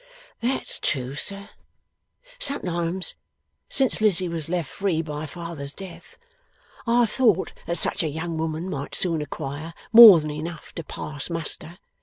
'That's true, sir. Sometimes since Lizzie was left free by father's death, I have thought that such a young woman might soon acquire more than enough to pass muster.